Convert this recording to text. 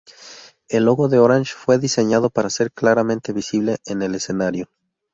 El logo de Orange fue diseñado para ser claramente visible en el escenario.